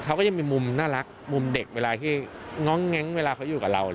เขาก็ยังมีมุมน่ารักมุมเด็กเวลาที่ง้องแง้งเวลาเขาอยู่กับเรา